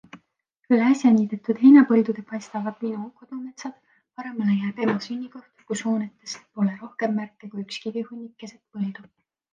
Üle äsja niidetud heinapõldude paistavad minu kodumetsad, paremale jääb ema sünnikoht, kus hoonetest pole rohkem märke kui üks kivihunnik keset põldu.